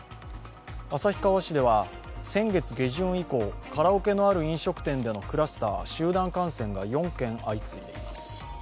旭川市では先月下旬以降カラオケのある飲食店でのクラスター＝集団感染が４件相次いでいます。